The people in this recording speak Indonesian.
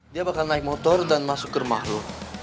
dia bakal naik motor dan masuk ke rumah